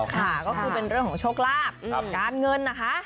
ค่ะก็คือเป็นเรื่องของโชคลาภการเงินนะคะ